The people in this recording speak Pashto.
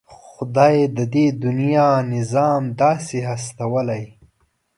خدای د دې دنيا نظام داسې هستولی.